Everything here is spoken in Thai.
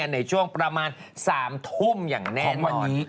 ในช่วงประมาณ๓ทุ่มอย่างแน่นวันนี้